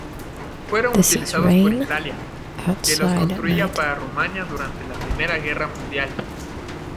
Fueron utilizados por Italia, que los construía para Rumanía durante la Primera Guerra Mundial.